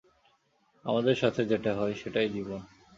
আমাদের সাথে যেটা হয়, সেটা- ই জীবন।